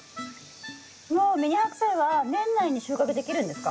もうミニハクサイは年内に収穫できるんですか？